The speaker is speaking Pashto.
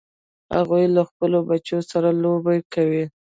هغوی له خپلو بچو سره لوبې کوي